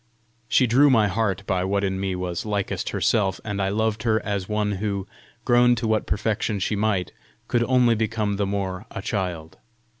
She drew my heart by what in me was likest herself, and I loved her as one who, grow to what perfection she might, could only become the more a child.